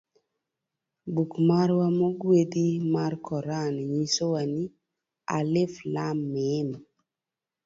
Buk marwa mogwedhi mar koran nyisowa ni ; 'Alif Lam Mym'.